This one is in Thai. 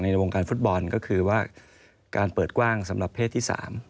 ในวงการฟุตบอลก็คือว่าการเปิดกว้างสำหรับเพศที่๓